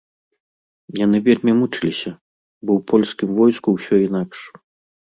Яны вельмі мучыліся, бо ў польскім войску усё інакш.